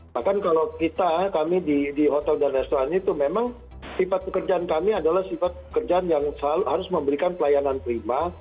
bahkan kalau kita kami di hotel dan restoran itu memang sifat pekerjaan kami adalah sifat pekerjaan yang harus memberikan pelayanan prima